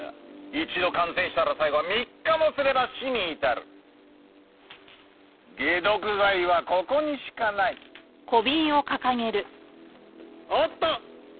一度感染したら最後３日もすれば死に至る解毒剤はここにしかないおっと！